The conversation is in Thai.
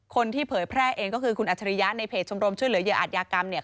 เผยแพร่เองก็คือคุณอัจฉริยะในเพจชมรมช่วยเหลือเหยื่ออาจยากรรมเนี่ย